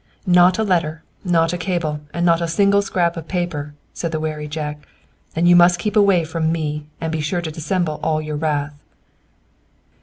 "Not a letter, not a cable, not a single scrap of paper," said the wary Jack. "And you must keep away from me and be sure to dissemble all your wrath."